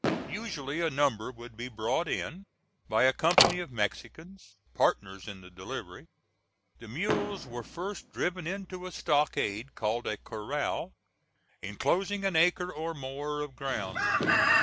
Usually a number would be brought in by a company of Mexicans, partners in the delivery. The mules were first driven into a stockade, called a corral, inclosing an acre or more of ground.